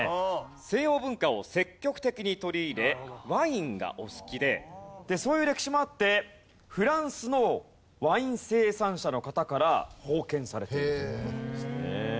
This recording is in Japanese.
西洋文化を積極的に取り入れワインがお好きでそういう歴史もあってフランスのワイン生産者の方から奉献されているという事ですね。